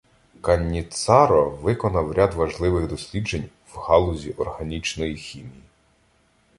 Канніццаро виконав ряд важливих досліджень в галузі органічної хімії.